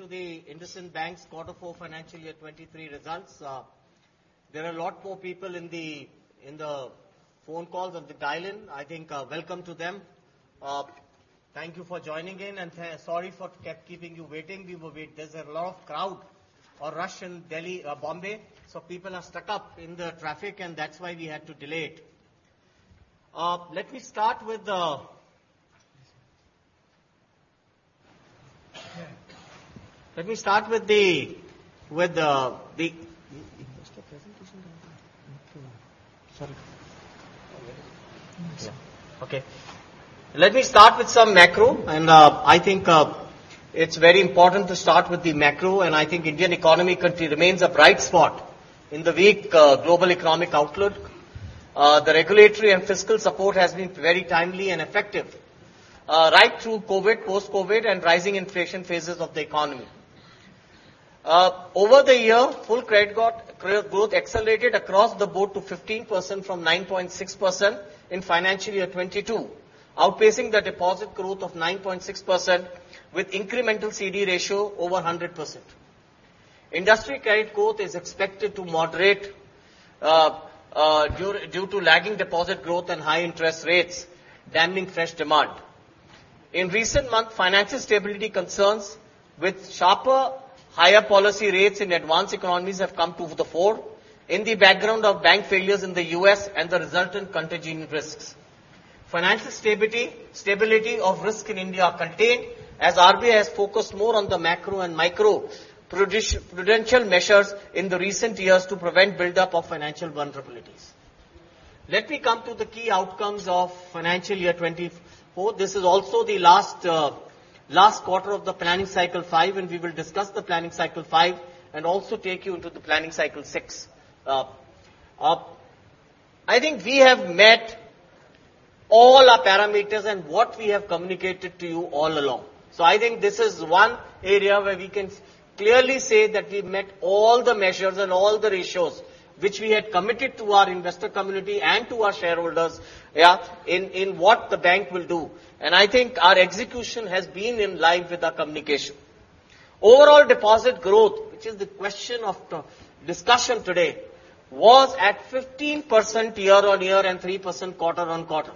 To the IndusInd Bank's Quarter Four Financial Year 2023 results. There are a lot more people in the phone calls on the dial-in. I think, welcome to them. Thank you for joining in and sorry for kept keeping you waiting. We were There's a lot of crowd or rush in Delhi, Bombay, so people are stuck up in the traffic, and that's why we had to delay it. Let me start with the... Let me start with the, with, the Is the presentation done? Sorry. Yeah. Okay. Let me start with some macro, and I think, it's very important to start with the macro, and I think Indian economy country remains a bright spot in the weak global economic outlook. The regulatory and fiscal support has been very timely and effective, right through COVID, post-COVID and rising inflation phases of the economy. Over the year, full credit growth accelerated across the board to 15% from 9.6% in financial year 2022, outpacing the deposit growth of 9.6% with incremental CD ratio over 100%. Industry credit growth is expected to moderate, due to lagging deposit growth and high interest rates, damning fresh demand. In recent months, financial stability concerns with sharper higher policy rates in advanced economies have come to the fore in the background of bank failures in the U.S. and the resultant contagion risks. Financial stability of risk in India are contained as RBI has focused more on the macro and micro prudential measures in the recent years to prevent buildup of financial vulnerabilities. Let me come to the key outcomes of financial year 2024. This is also the last quarter of the Planning Cycle 5, we will discuss the Planning Cycle 5 and also take you into the Planning Cycle 6. I think we have met all our parameters and what we have communicated to you all along. I think this is one area where we can clearly say that we've met all the measures and all the ratios which we had committed to our investor community and to our shareholders, yeah, in what the bank will do. I think our execution has been in line with our communication. Overall deposit growth, which is the question of the discussion today, was at 15% year-on-year and 3% quarter-on-quarter.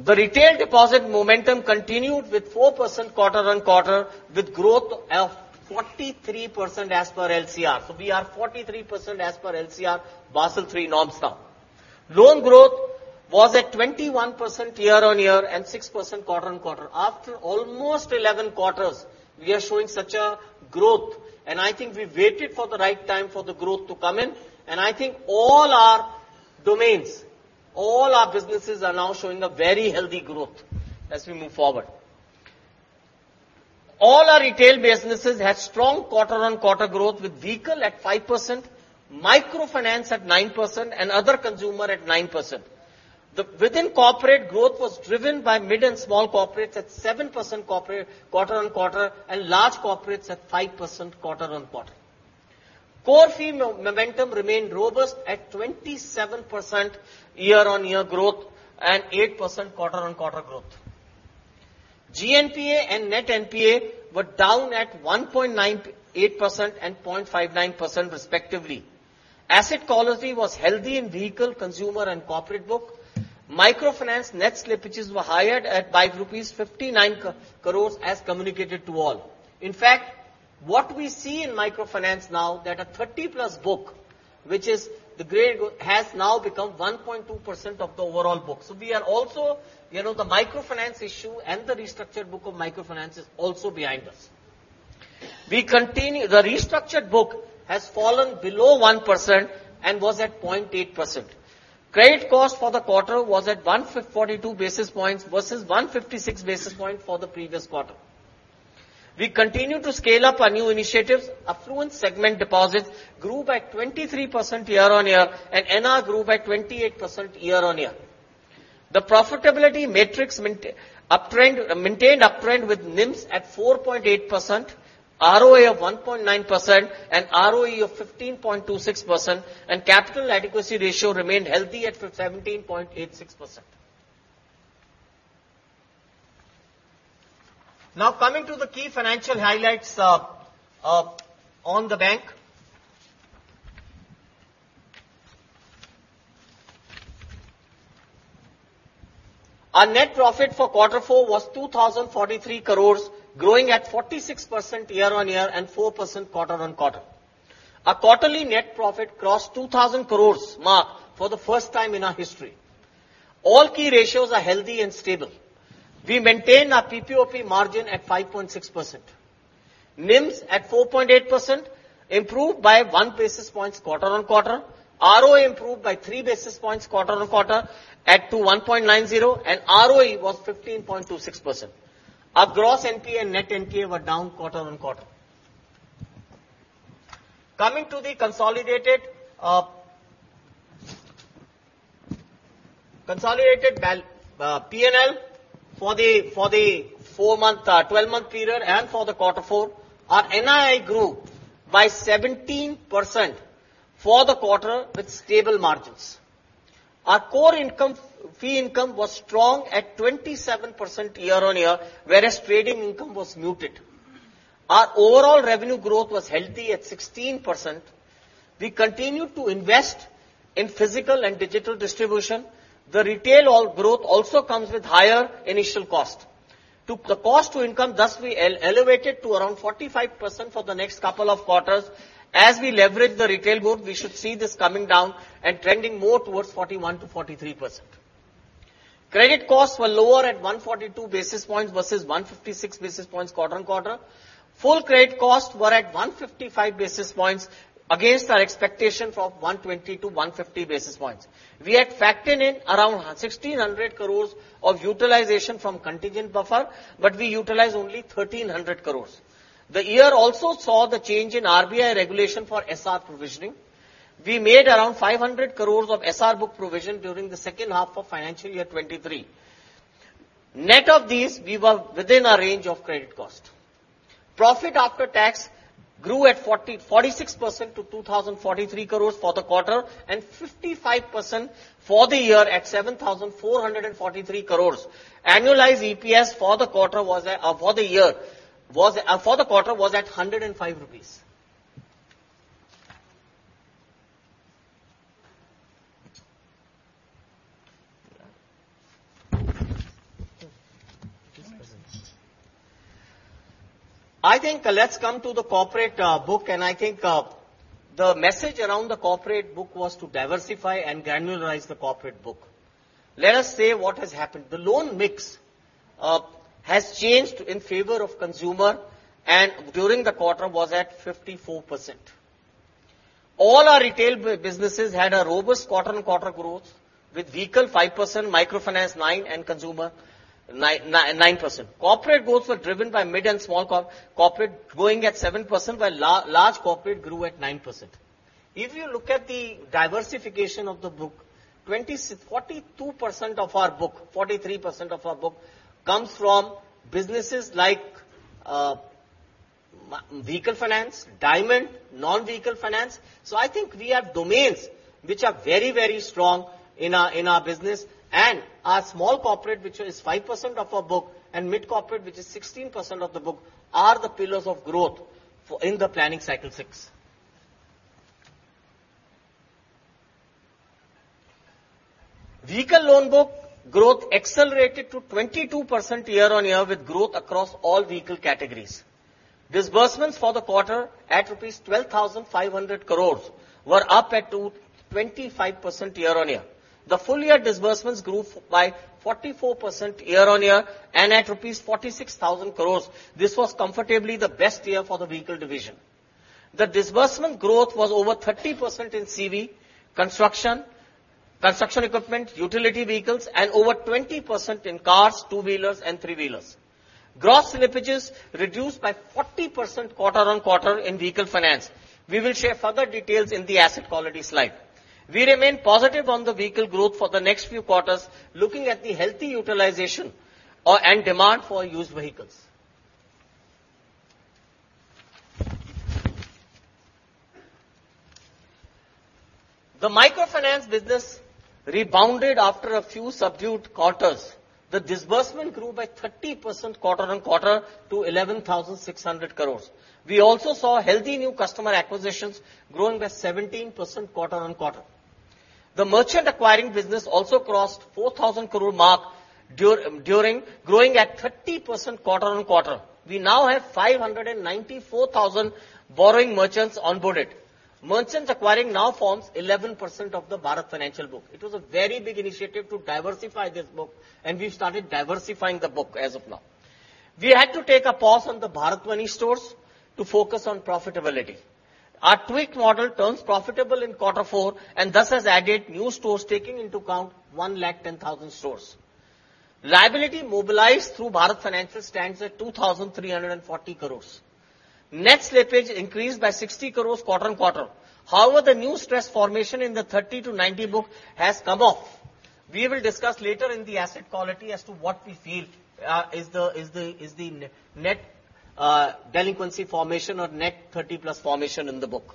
The retail deposit momentum continued with 4% quarter-on-quarter with growth of 43% as per LCR. We are 43% as per LCR, Basel III norms now. Loan growth was at 21% year-on-year and 6% quarter-on-quarter. After almost 11 quarters, we are showing such a growth, and I think we waited for the right time for the growth to come in, and I think all our domains, all our businesses are now showing a very healthy growth as we move forward. All our retail businesses had strong quarter-on-quarter growth with vehicle at 5%, microfinance at 9% and other consumer at 9%. Within corporate, growth was driven by mid and small corporates at 7% corporate quarter-on-quarter and large corporates at 5% quarter-on-quarter. Core fee momentum remained robust at 27% year-on-year growth and 8% quarter-on-quarter growth. GNPA and net NPA were down at 1.98% and 0.59% respectively. Asset quality was healthy in vehicle, consumer and corporate book. Microfinance net slippages were higher at by rupees 59 crore as communicated to all. What we see in Microfinance now that a 30+ book, which is the grade, has now become 1.2% of the overall book. We are also, you know, the Microfinance issue and the restructured book of Microfinance is also behind us. The restructured book has fallen below 1% and was at 0.8%. Credit cost for the quarter was at 142 basis points vs 156 basis point for the previous quarter. We continue to scale up our new initiatives. Affluent segment deposits grew by 23% year-on-year and NR grew by 28% year-on-year. The profitability matrix maintained uptrend with NIMS at 4.8%, ROA of 1.9% and ROE of 15.26%, and capital adequacy ratio remained healthy at 17.86%. Coming to the key financial highlights on the bank. Our net profit for quarter four was 2,043 crores, growing at 46% year-on-year and 4% quarter-on-quarter. Our quarterly net profit crossed 2,000 crores mark for the first time in our history. All key ratios are healthy and stable. We maintain our PPOP margin at 5.6%. NIMS at 4.8% improved by one basis points quarter-on-quarter. ROA improved by 3 basis points quarter-on-quarter at to 1.90, and ROE was 15.26%. Our gross NPA and net NPA were down quarter-on-quarter. Coming to the consolidated PNL for the four-month, 12-month period and for the quarter four, our NII grew by 17% for the quarter with stable margins. Our core income, fee income was strong at 27% year-on-year, whereas trading income was muted. Our overall revenue growth was healthy at 16%. We continued to invest in physical and digital distribution. The retail all growth also comes with higher initial cost. To the cost to income, thus we elevate it to around 45% for the next couple of quarters. As we leverage the retail book, we should see this coming down and trending more towards 41%-43%. Credit costs were lower at 142 basis points vs 156 basis points quarter-on-quarter. Full credit costs were at 155 basis points against our expectation for 120-150 basis points. We had factored in around 1,600 crores of utilization from contingent buffer. We utilized only 1,300 crores. The year also saw the change in RBI regulation for SR provisioning. We made around 500 crores of SR book provision during the second half of financial year 2023. Net of these, we were within our range of credit cost. Profit after tax grew at 40, 46% to 2,043 crores for the quarter and 55% for the year at 7,443 crores. Annualized EPS for the quarter was at, or for the year was, for the quarter was at 105 rupees. I think let's come to the corporate book. I think the message around the corporate book was to diversify and granularize the corporate book. Let us say what has happened. The loan mix has changed in favor of consumer and during the quarter was at 54%. All our retail businesses had a robust quarter-on-quarter growth with vehicle 5%, microfinance 9%, and consumer 9%. Corporate growths were driven by mid and small corporate growing at 7%, while large corporate grew at 9%. If you look at the diversification of the book, 43% of our book comes from businesses like vehicle finance, diamond, non-vehicle finance. I think we have domains which are very, very strong in our, in our business and our small corporate, which is 5% of our book, and mid corporate, which is 16% of the book, are the pillars of growth for in the Planning Cycle 6. Vehicle loan book growth accelerated to 22% year-on-year with growth across all vehicle categories. Disbursement for the quarter at rupees 12,500 crores were up to 25% year-on-year. The full year disbursements grew by 44% year-on-year and at rupees 46,000 crores. This was comfortably the best year for the vehicle division. The disbursement growth was over 30% in CV, construction equipment, utility vehicles and over 20% in cars, two-wheelers and three-wheelers. Gross slippages reduced by 40% quarter-on-quarter in vehicle finance. We will share further details in the asset quality slide. We remain positive on the vehicle growth for the next few quarters, looking at the healthy utilization, and demand for used vehicles. The microfinance business rebounded after a few subdued quarters. The disbursement grew by 30% quarter-on-quarter to 11,600 crores. We also saw healthy new customer acquisitions growing by 17% quarter-on-quarter. The merchant acquiring business also crossed 4,000 crore mark during growing at 30% quarter-on-quarter. We now have 594,000 borrowing merchants onboarded. Merchants acquiring now forms 11% of the Bharat Financial book. It was a very big initiative to diversify this book and we've started diversifying the book as of now. We had to take a pause on the Bharat Money Stores to focus on profitability. Our tweaked model turns profitable in quarter four and thus has added new stores taking into account 110,000 stores. Liability mobilized through Bharat Financial stands at 2,340 crores. Net slippage increased by 60 crores quarter-on-quarter. However, the new stress formation in the 30-90 book has come off. We will discuss later in the asset quality as to what we feel is the net delinquency formation or net 30+ formation in the book.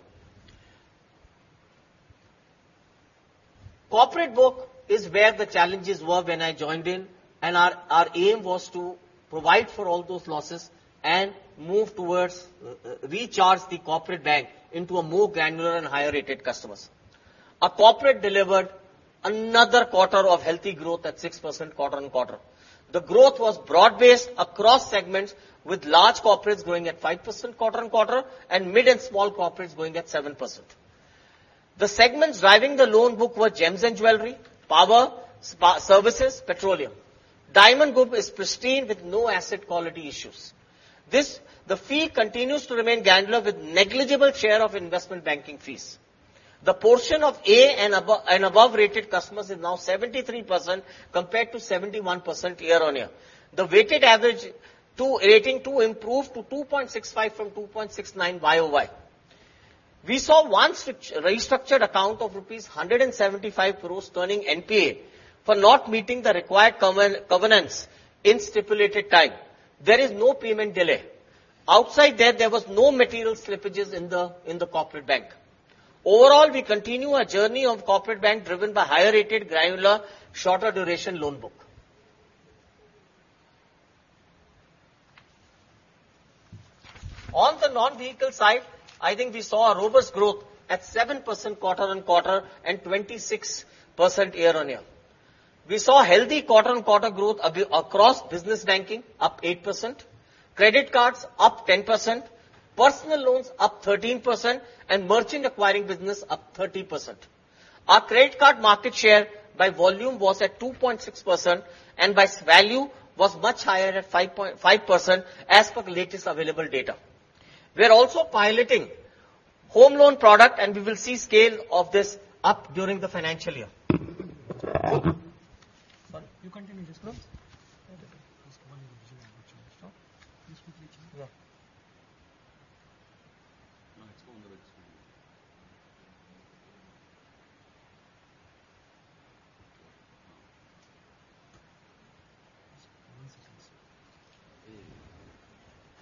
Corporate book is where the challenges were when I joined in and our aim was to provide for all those losses and move towards recharge the corporate bank into a more granular and higher rated customers. Our corporate delivered another quarter of healthy growth at 6% quarter-on-quarter. The growth was broad-based across segments with large corporates growing at 5% quarter-on-quarter and mid and small corporates growing at 7%. The segments driving the loan book were gems and jewelry, power, services, petroleum. Diamond book is pristine with no asset quality issues. This, the fee continues to remain granular with negligible share of investment banking fees. The portion of A and above rated customers is now 73% compared to 71% year-on-year. The weighted average to rating 2 improved to 2.65 from 2.69 YoY. We saw one switch-restructured account of rupees 175 crores turning NPA for not meeting the required covenants in stipulated time. There is no payment delay. Outside that, there was no material slippages in the corporate bank. Overall, we continue our journey of corporate bank driven by higher-rated granular, shorter duration loan book. On the non-vehicle side, I think we saw a robust growth at 7% quarter-on-quarter and 26% year-on-year. We saw healthy quarter-on-quarter growth across business banking up 8%, credit cards up 10%, personal loans up 13% and merchant acquiring business up 30%. Our credit card market share by volume was at 2.6% and by value was much higher at 5% as per latest available data. We are also piloting home loan product. We will see scale of this up during the financial year. Sorry, you continue this one. Okay. Just one. Please quickly change. Yeah. No, it's cool.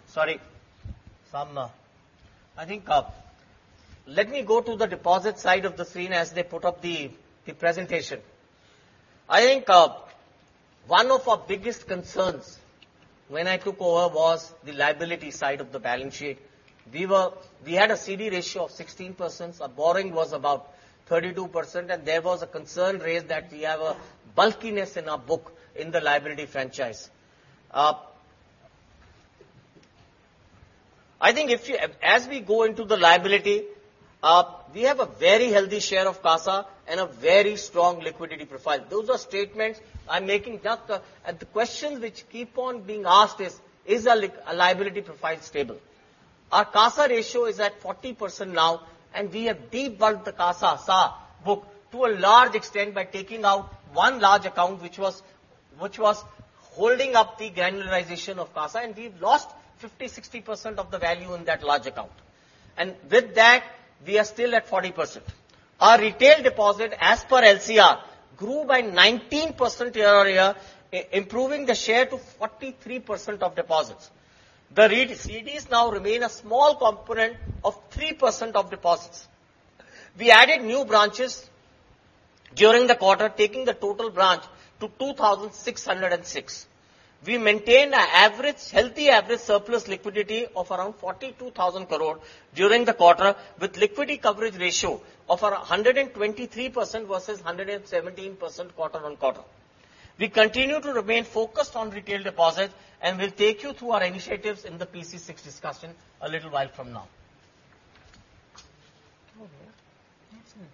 Sorry. Some, I think, let me go to the deposit side of the scene as they put up the presentation. I think, one of our biggest concerns when I took over was the liability side of the balance sheet. We had a CD ratio of 16%. Our borrowing was about 32%, and there was a concern raised that we have a bulkiness in our book in the liability franchise. I think as we go into the liability, we have a very healthy share of CASA and a very strong liquidity profile. Those are statements I'm making just. The question which keep on being asked is: Is our liability profile stable? Our CASA ratio is at 40% now, we have debulked the CASA, SA book to a large extent by taking out 1 large account which was holding up the granularization of CASA, and we've lost 50%-60% of the value in that large account. With that, we are still at 40%. Our retail deposit, as per LCR, grew by 19% year-over-year improving the share to 43% of deposits. CDs now remain a small component of 3% of deposits. We added new branches during the quarter, taking the total branch to 2,606. We maintain an average, healthy average surplus liquidity of around 42,000 crore during the quarter, with liquidity coverage ratio of 123% vs 117% quarter-on-quarter. We continue to remain focused on retail deposits, and we'll take you through our initiatives in the PC6 discussion a little while from now. Oh, yeah. That's it.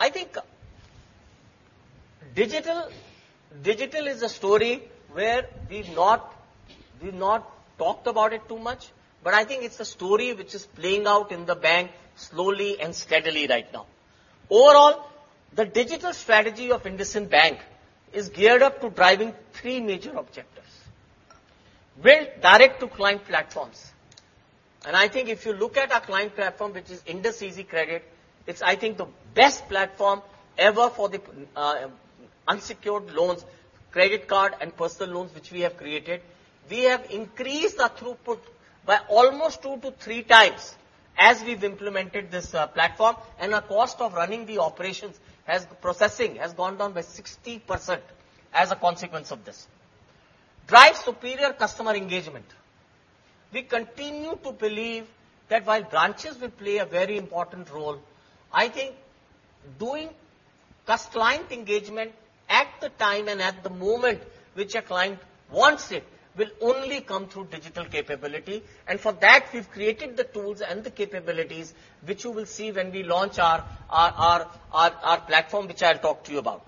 I think digital is a story where we've not talked about it too much, but I think it's a story which is playing out in the bank slowly and steadily right now. Overall, the digital strategy of IndusInd Bank is geared up to driving three major objectives. Build direct-to-client platforms, I think if you look at our client platform, which is IndusEasy Credit, it's, I think, the best platform ever for the unsecured loans, credit card and personal loans which we have created. We have increased our throughput by almost two to three times as we've implemented this platform, and our cost of running the operations processing has gone down by 60% as a consequence of this. Drive superior customer engagement. We continue to believe that while branches will play a very important role, I think doing client engagement at the time and at the moment which a client wants it will only come through digital capability, and for that, we've created the tools and the capabilities which you will see when we launch our platform, which I'll talk to you about.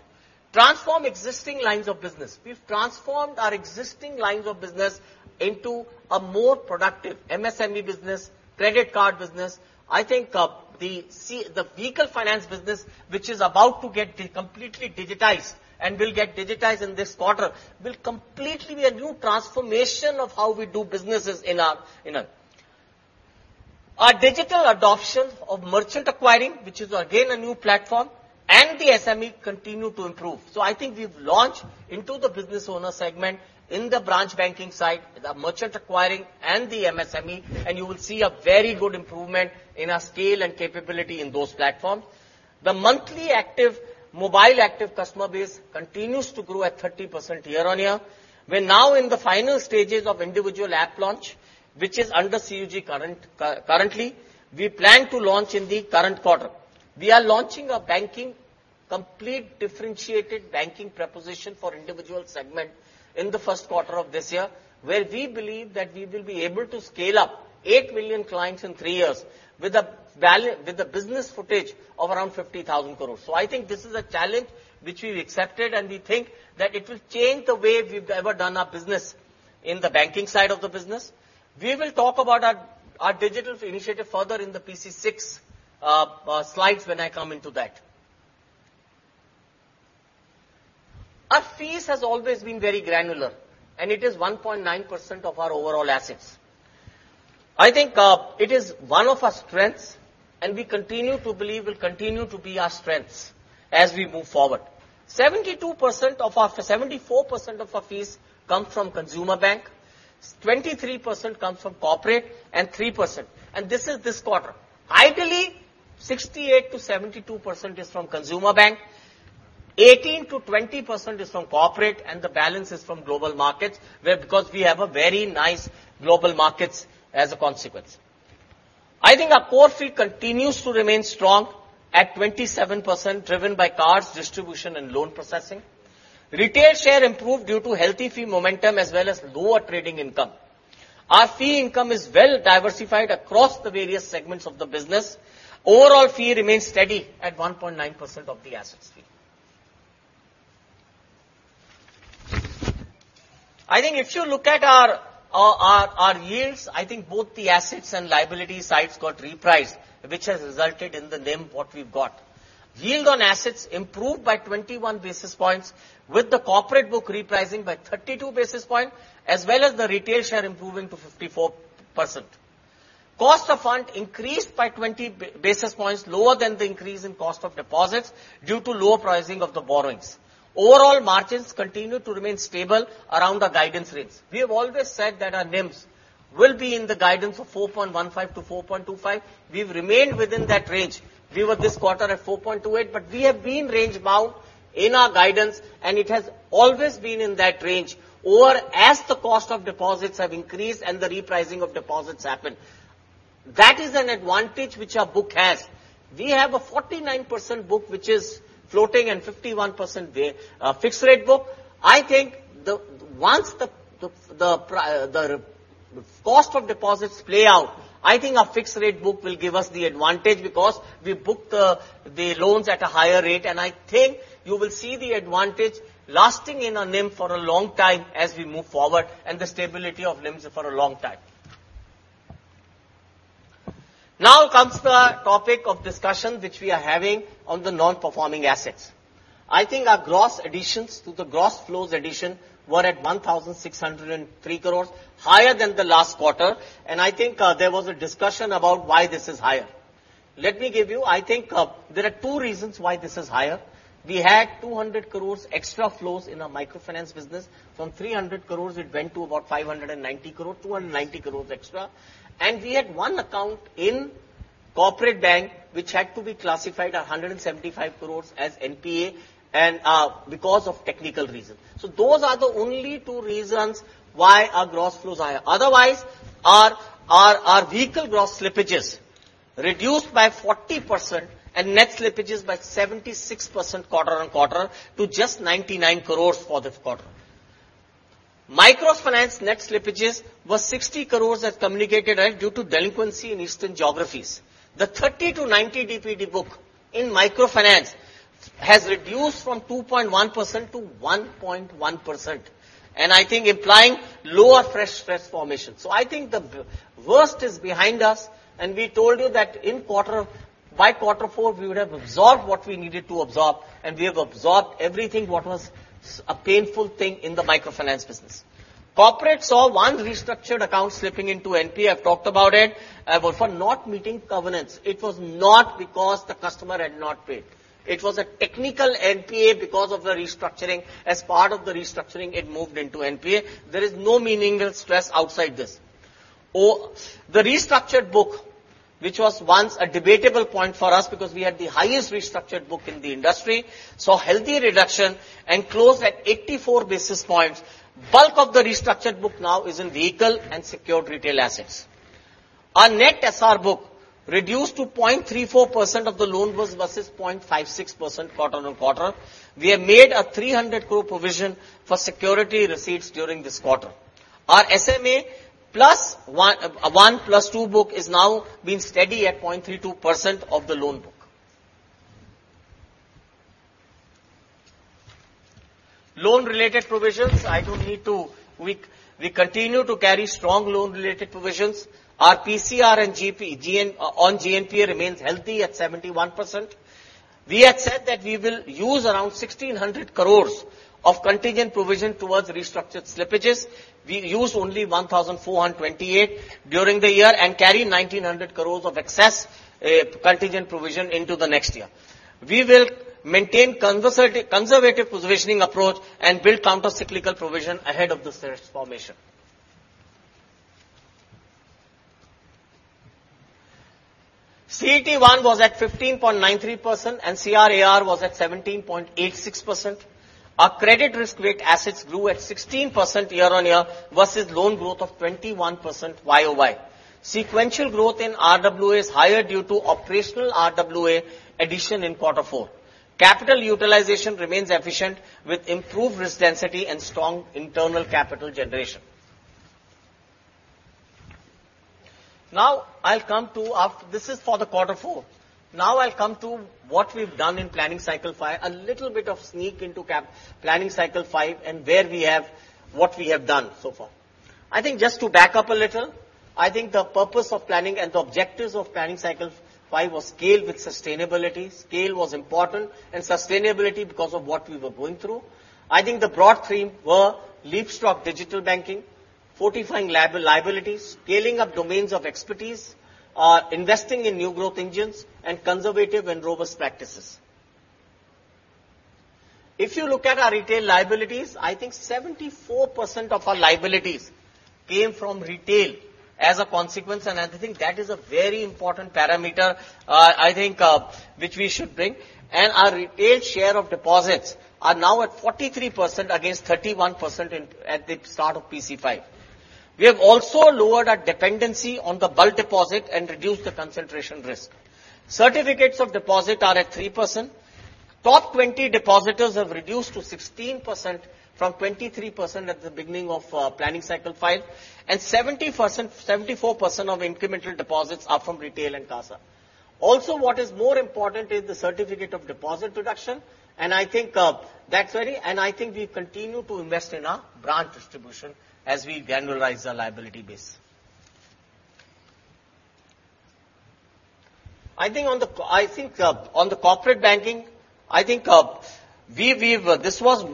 Transform existing lines of business. We've transformed our existing lines of business into a more productive MSME business, credit card business. I think the vehicle finance business, which is about to get completely digitized and will get digitized in this quarter, will completely be a new transformation of how we do businesses in our. Our digital adoption of merchant acquiring, which is again a new platform, and the SME continue to improve. I think we've launched into the business owner segment in the branch banking side, the merchant acquiring and the MSME, and you will see a very good improvement in our scale and capability in those platforms. The monthly active mobile active customer base continues to grow at 30% year on year. We're now in the final stages of individual app launch, which is under CUG current, currently. We plan to launch in the current quarter. We are launching a banking, complete differentiated banking proposition for individual segment in the first quarter of this year, where we believe that we will be able to scale up 8 million clients in three years with a business footage of around 50,000 crores. I think this is a challenge which we've accepted, and we think that it will change the way we've ever done our business in the banking side of the business. We will talk about our digital initiative further in the PC6 slides when I come into that. Our fees has always been very granular, and it is 1.9% of our overall assets. I think it is one of our strengths, and we continue to believe will continue to be our strengths as we move forward. 74% of our fees come from consumer bank, 23% comes from corporate and 3%. This is this quarter. Ideally, 68%-72% is from consumer bank, 18%-20% is from corporate, and the balance is from global markets where because we have a very nice global markets as a consequence. I think our core fee continues to remain strong at 27%, driven by cards, distribution and loan processing. Retail share improved due to healthy fee momentum, as well as lower trading income. Our fee income is well diversified across the various segments of the business. Overall fee remains steady at 1.9% of the assets fee. I think if you look at our yields, I think both the assets and liability sides got repriced, which has resulted in the NIM what we've got. Yield on assets improved by 21 basis points, with the corporate book repricing by 32 basis point, as well as the retail share improving to 54%. Cost of fund increased by 20 basis points lower than the increase in cost of deposits due to lower pricing of the borrowings. Overall margins continued to remain stable around our guidance rates. We have always said that our NIMs will be in the guidance of 4.15%-4.25%. We've remained within that range. We were this quarter at 4.28%, but we have been range bound in our guidance and it has always been in that range, or as the cost of deposits have increased and the repricing of deposits happen. That is an advantage which our book has. We have a 49% book which is floating and 51% the fixed-rate book. I think once the cost of deposits play out, I think our fixed rate book will give us the advantage because we book the loans at a higher rate and I think you will see the advantage lasting in our NIM for a long time as we move forward and the stability of NIMs for a long time. Now comes the topic of discussion which we are having on the non-performing assets. I think our gross additions to the gross flows addition were at 1,603 crore, higher than the last quarter, and I think there was a discussion about why this is higher. Let me give you. I think there are two reasons why this is higher. We had 200 crores extra flows in our microfinance business. From 300 crores, it went to about 590 crore, 290 crores extra. We had one account in corporate bank which had to be classified 175 crores as NPA because of technical reasons. Those are the only two reasons why our gross flows are higher. Otherwise, our vehicle gross slippages reduced by 40% and net slippages by 76% quarter-on-quarter to just 99 crores for this quarter. Microfinance net slippages was 60 crores as communicated, right, due to delinquency in eastern geographies. The 30-90 DPD book in microfinance has reduced from 2.1%-1.1% and I think implying lower fresh stress formation. I think the worst is behind us, we told you that by quarter four, we would have absorbed what we needed to absorb, we have absorbed everything what was a painful thing in the microfinance business. Corporate saw 1 restructured account slipping into NPA. I've talked about it. For not meeting covenants. It was not because the customer had not paid. It was a technical NPA because of the restructuring. As part of the restructuring, it moved into NPA. There is no meaningful stress outside this. The restructured book, which was once a debatable point for us because we had the highest restructured book in the industry, saw healthy reduction and closed at 84 basis points. Bulk of the restructured book now is in vehicle and secured retail assets. Our net SR book reduced to 0.34% of the loan vs 0.56% quarter-on-quarter. We have made a 300 crore provision for security receipts during this quarter. Our SMA plus one plus two book is now been steady at 0.32% of the loan book. Loan-related provisions, I don't need to. We continue to carry strong loan-related provisions. Our PCR on GNPA remains healthy at 71%. We had said that we will use around 1,600 crores of contingent provision towards restructured slippages. We used only 1,428 during the year and carry 1,900 crores of excess contingent provision into the next year. We will maintain conservative provisioning approach and build countercyclical provision ahead of the stress formation. CET1 was at 15.93% and CRAR was at 17.86%. Our credit-risk-weighted assets grew at 16% year on year vs loan growth of 21% YOY. Sequential growth in RWA is higher due to operational RWA addition in quarter four. Capital utilization remains efficient with improved risk density and strong internal capital generation. I'll come to This is for the quarter four. I'll come to what we've done in planning cycle five. A little bit of sneak into planning cycle five and where we have what we have done so far. I think just to back up a little, I think the purpose of planning and the objectives of planning cycle five was scale with sustainability. Scale was important and sustainability because of what we were going through. I think the broad theme were leaps to our digital bankingFortifying liabilities, scaling up domains of expertise, investing in new growth engines, and conservative and robust practices. If you look at our retail liabilities, I think 74% of our liabilities came from retail as a consequence, and I think that is a very important parameter, I think, which we should bring, and our retail share of deposits are now at 43% against 31% at the start of PC5. We have also lowered our dependency on the bulk deposit and reduced the concentration risk. Certificates of deposit are at 3%. Top 20 depositors have reduced to 16% from 23% at the beginning of planning cycle five, and 74% of incremental deposits are from retail and CASA. What is more important is the certificate of deposit reduction, and that's very. I think we continue to invest in our branch distribution as we granularize our liability base. On the corporate banking, this was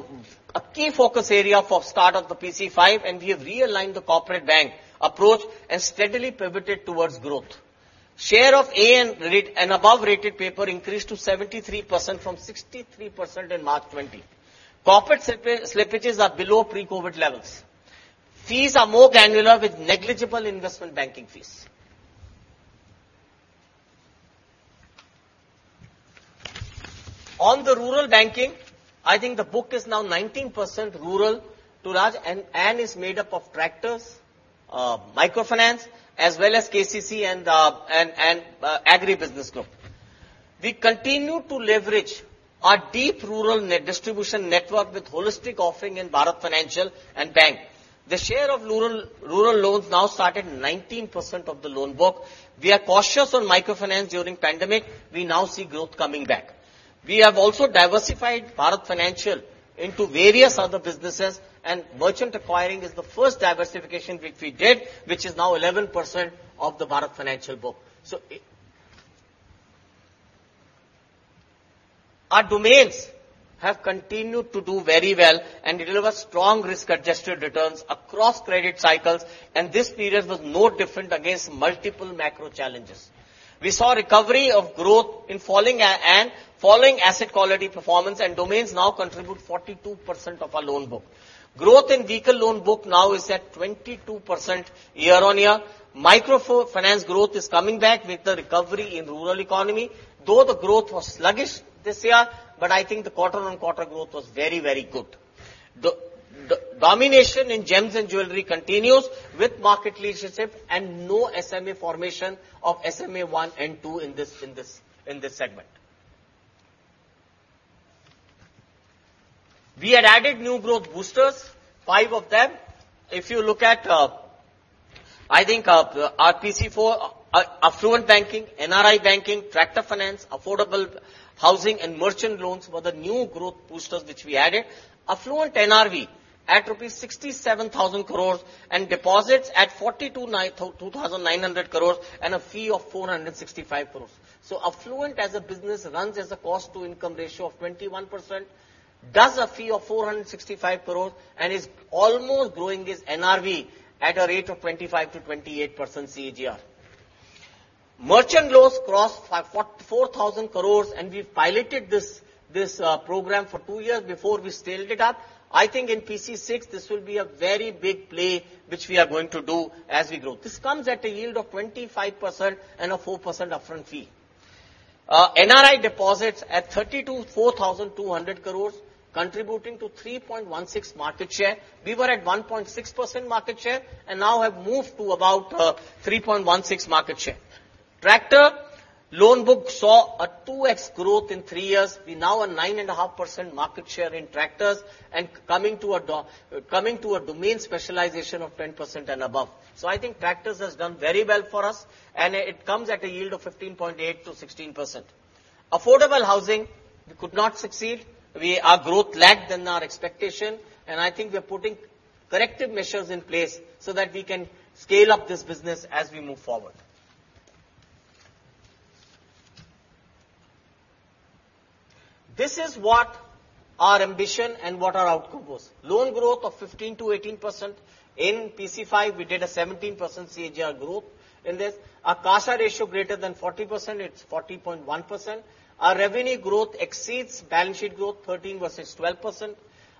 a key focus area for start of the PC5, and we have realigned the corporate bank approach and steadily pivoted towards growth. Share of A and above-rated paper increased to 73% from 63% in March 20. Corporate slippages are below pre-COVID levels. Fees are more granular with negligible investment banking fees. On the rural banking, I think the book is now 19% rural to Raj, and is made up of tractors, microfinance, as well as KCC and agribusiness growth. We continue to leverage our deep rural distribution network with holistic offering in Bharat Financial and Bank. The share of rural loans now start at 19% of the loan book. We are cautious on microfinance during pandemic. We now see growth coming back. We have also diversified Bharat Financial into various other businesses. Merchant acquiring is the first diversification which we did, which is now 11% of the Bharat Financial book. Our domains have continued to do very well and deliver strong risk-adjusted returns across credit cycles, and this period was no different against multiple macro challenges. We saw recovery of growth in falling and following asset quality performance, and domains now contribute 42% of our loan book. Growth in vehicle loan book now is at 22% year-on-year. Microfinance growth is coming back with the recovery in rural economy, though the growth was sluggish this year, I think the quarter-on-quarter growth was very, very good. The domination in gems and jewelry continues with market leadership and no SMA formation of SMA one and two in this segment. We had added new growth boosters, five of them. If you look at, I think, our PC4, affluent banking, NRI banking, tractor finance, affordable housing, and merchant loans were the new growth boosters which we added. Affluent NRV at rupees 67,000 crores and deposits at 42,900 crores and a fee of 465 crores. Affluent as a business runs as a cost-to-income ratio of 21%, does a fee of 465 crores and is almost growing its NRV at a rate of 25%-28% CAGR. Merchant loans crossed 4,000 crores, and we've piloted this program for two years before we scaled it up. I think in PC6, this will be a very big play which we are going to do as we grow. This comes at a yield of 25% and a 4% upfront fee. NRI deposits at 32,400 crores, contributing to 3.16% market share. We were at 1.6% market share and now have moved to about 3.16% market share. Tractor loan book saw a 2x growth in three years. We now are 9.5% market share in tractors and coming to a domain specialization of 10% and above. I think tractors has done very well for us and it comes at a yield of 15.8%-16%. Affordable housing, we could not succeed. Our growth lagged than our expectation, I think we're putting corrective measures in place so that we can scale up this business as we move forward. This is what our ambition and what our outcome was. Loan growth of 15%-18%. In PC5, we did a 17% CAGR growth in this. Our CASA ratio greater than 40%, it's 40.1%. Our revenue growth exceeds balance sheet growth, 13% vs 12%.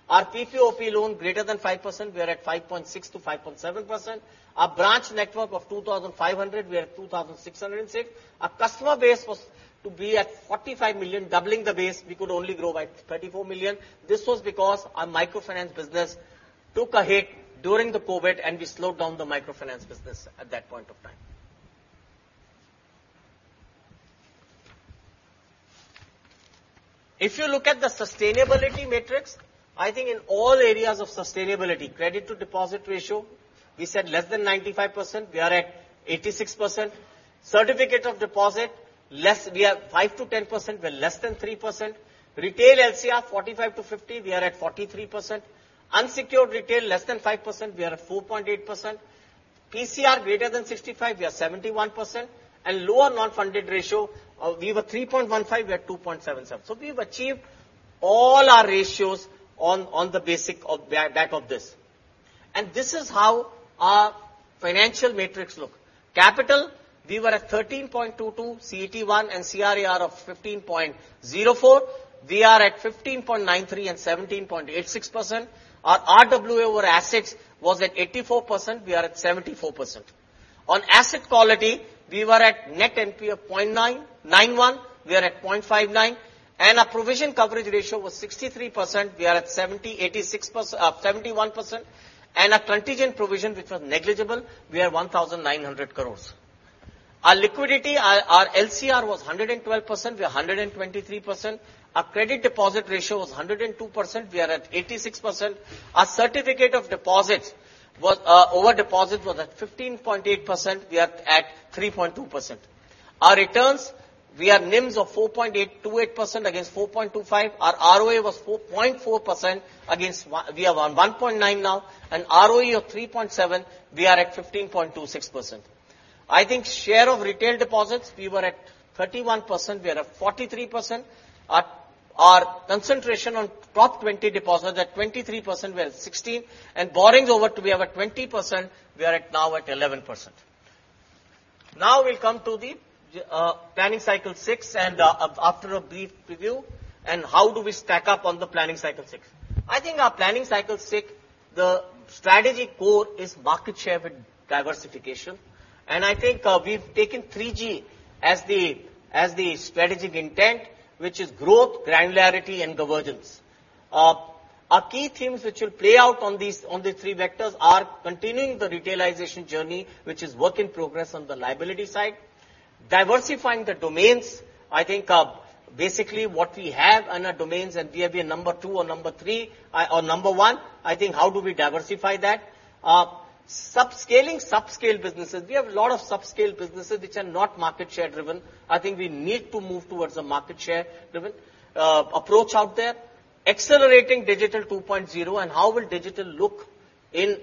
Our PPOP loan greater than 5%, we are at 5.6%-5.7%. Our branch network of 2,500, we are at 2,606. Our customer base was to be at 45 million, doubling the base, we could only grow by 34 million. This was because our microfinance business took a hit during the COVID, and we slowed down the microfinance business at that point of time. If you look at the sustainability matrix, I think in all areas of sustainability, Credit-Deposit ratio, we said less than 95%, we are at 86%. Certificate of deposit, we are 5%-10%, we are less than 3%. Retail LCR 45%-50%, we are at 43%. Unsecured retail, less than 5%, we are at 4.8%. PCR greater than 65, we are 71% and lower non-funded ratio, we were 3.15, we are 2.77. We've achieved all our ratios on the back of this. This is how our financial matrix look. Capital, we were at 13.22 CET1 and CRAR of 15.04. We are at 15.93 and 17.86%. Our RWA over assets was at 84%, we are at 74%. On asset quality, we were at net NPA of 0.91. We are at 0.59, and our provision coverage ratio was 63%. We are at 86%, 71%. Our contingent provision, which was negligible, we are 1,900 crores. Our liquidity, our LCR was 112%, we are 123%. Our Credit-Deposit ratio was 102%, we are at 86%. Our certificate of deposits was over deposits was at 15.8%, we are at 3.2%. Our returns, we have NIMS of 4.828% against 4.25%. Our ROA was 4.4% against we are on 1.9% now. ROE of 3.7%, we are at 15.26%. I think share of retail deposits, we were at 31%, we are at 43%. Our concentration on top 20 deposits at 23%, we are at 16%. Borrowings over to we have at 20%, we are at now at 11%. Now we'll come to the Planning Cycle 6 and after a brief review and how do we stack up on the Planning Cycle 6. I think our Planning Cycle 6, the strategic core is market share with diversification, and I think, we've taken three G as the, as the strategic intent, which is growth, granularity and convergence. Our key themes which will play out on these, on the three vectors are continuing the retailization journey, which is work in progress on the liability side. Diversifying the domains, I think, basically what we have on our domains and we have been number two or number three or number one, I think how do we diversify that? Sub-scaling sub-scale businesses. We have a lot of sub-scale businesses which are not market share driven. I think we need to move towards a market share driven approach out there. Accelerating Digital 2.0, how will digital look in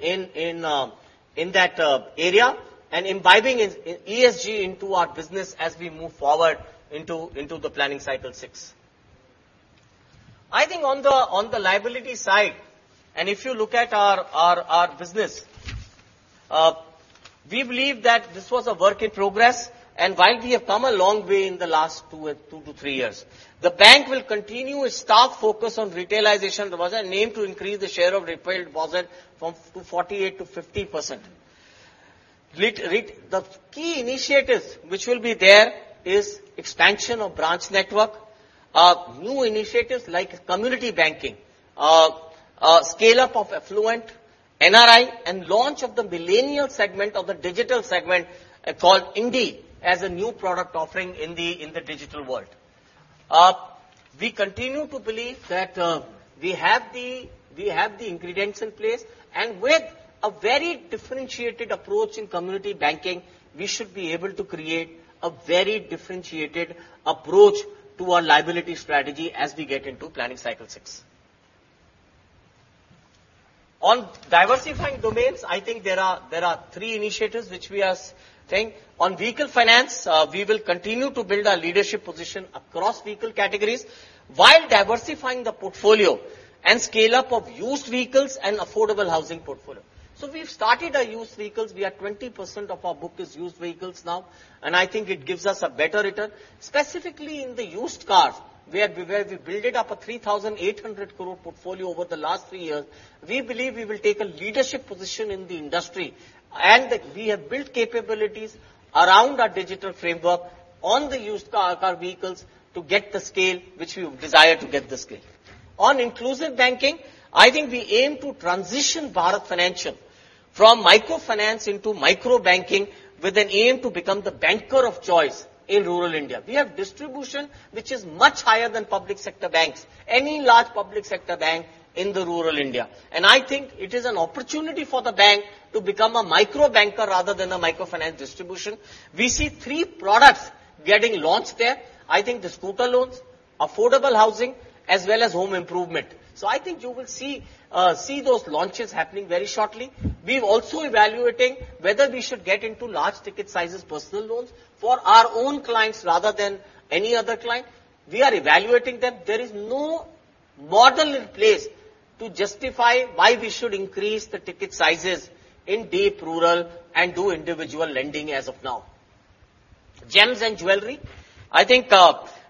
that area? Imbibing ESG into our business as we move forward into the planning cycle six. I think on the liability side, if you look at our business, we believe that this was a work in progress and while we have come a long way in the last 2-3 years. The bank will continue its stark focus on retailization deposit and aim to increase the share of retail deposit to 48%-50%. The key initiatives which will be there is expansion of branch network, new initiatives like community banking, scale-up of affluent NRI and launch of the millennial segment of the digital segment, called INDIE as a new product offering in the, in the digital world. We continue to believe that, we have the ingredients in place and with a very differentiated approach in community banking, we should be able to create a very differentiated approach to our liability strategy as we get into PC6. On diversifying domains, I think there are three initiatives which we are saying. On vehicle finance, we will continue to build our leadership position across vehicle categories while diversifying the portfolio and scale-up of used vehicles and affordable housing portfolio. We've started our used vehicles. We are 20% of our book is used vehicles now. I think it gives us a better return. Specifically in the used cars, where we build it up a 3,800 crore portfolio over the last three years, we believe we will take a leadership position in the industry and that we have built capabilities around our digital framework on the used car vehicles to get the scale which we desire to get the scale. On inclusive banking, I think we aim to transition Bharat Financial from microfinance into microbanking with an aim to become the banker of choice in rural India. We have distribution which is much higher than public sector banks, any large public sector bank in the rural India. I think it is an opportunity for the bank to become a microbanker rather than a microfinance distribution. We see three products getting launched there. I think the scooter loans, affordable housing, as well as home improvement. I think you will see those launches happening very shortly. We're also evaluating whether we should get into large ticket sizes personal loans for our own clients rather than any other client. We are evaluating them. There is no model in place to justify why we should increase the ticket sizes in deep rural and do individual lending as of now. Gems and jewelry. I think,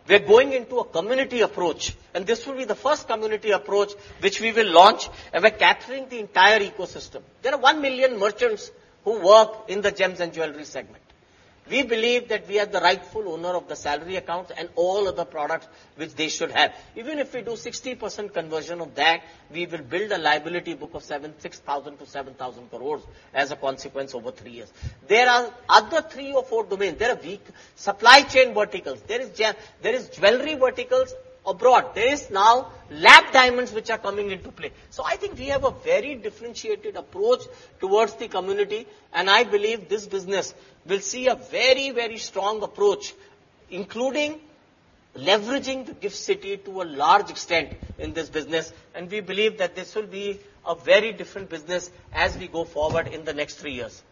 we're going into a community approach, and this will be the first community approach which we will launch and we're capturing the entire ecosystem. There are 1 million merchants who work in the gems and jewelry segment. We believe that we are the rightful owner of the salary accounts and all other products which they should have. Even if we do 60% conversion of that, we will build a liability book of 6,000-7,000 crores as a consequence over three years. There are other three or four domains. There are supply chain verticals, there is gem, there is jewelry verticals abroad. There is now lab diamonds which are coming into play. I think we have a very differentiated approach towards the community, and I believe this business will see a very, very strong approach, including leveraging the GIFT City to a large extent in this business, and we believe that this will be a very different business as we go forward in the next three years.